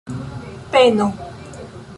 peno